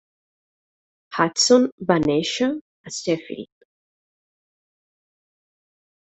Hudson va néixer a Sheffield.